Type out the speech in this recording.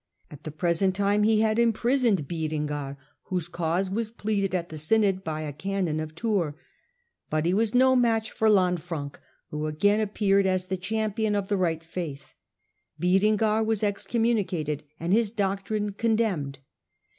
At the present time he had imprisoned Berengar, whose cause was pleaded at the synod by a canon of Tours ; but he was no match for Lanfranc, who again appeared as the champion of the right faith ; Berengar was excommunicated, and his doctrine condemned.